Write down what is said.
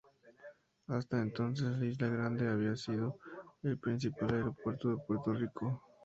Hasta entonces Isla Grande había sido el principal aeropuerto de Puerto Rico.